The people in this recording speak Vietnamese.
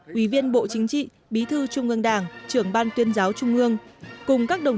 quý viên bộ chính trị bí thư trung ương đảng trưởng ban tuyên giáo trung ương cùng các đồng